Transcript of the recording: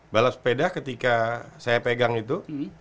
balap sepeda ketika saya pegang itu